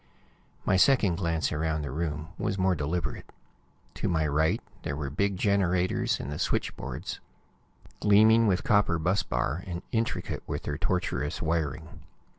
My second glance around the room was more deliberate. To my right were the big generators and the switchboards, gleaming with copper bus bar, and intricate with their tortuous wiring.